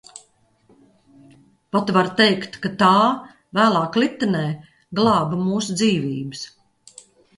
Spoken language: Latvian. Pat var teikt, ka tā, vēlāk Litenē, glāba mūsu dzīvības.